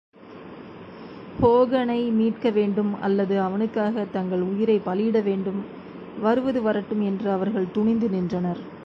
ஹோகனை மீட்க வேண்டும் அல்லது அவனுக்காகத் தங்கள் உயிரைப்பலியிட வேண்டும் வருவது வரட்டும் என்று அவர்கள் துணிந்து நின்றனர்.